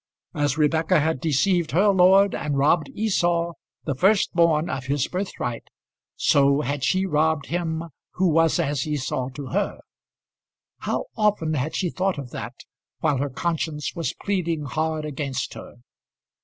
As Rebekah had deceived her lord and robbed Esau, the first born, of his birthright, so had she robbed him who was as Esau to her. How often had she thought of that, while her conscience was pleading hard against her!